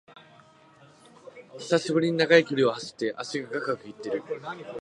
久しぶりに長い距離を走って脚がガクガクいってる